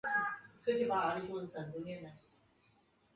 适用于创建进程间通信的共享内存。